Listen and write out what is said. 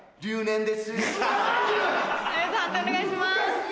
判定お願いします。